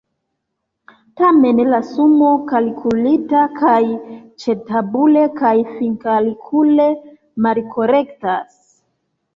Tamen la sumo kalkulita kaj ĉetabule kaj finkalkule malkorektas.